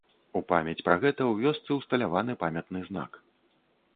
У памяць пра гэта ў вёсцы ўсталяваны памятны знак.